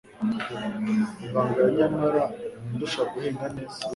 Urangaya nyamara ntundusha guhinga neza.